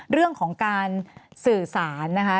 เรื่องของการสื่อสารนะคะ